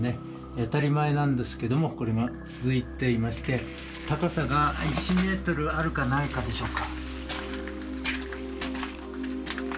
当たり前なんですけどもこれが続いていまして高さが１ｍあるかないかでしょうか。